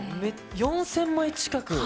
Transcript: ４０００万枚近く。